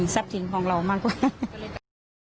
ซับถิ่นของเรามากกว่า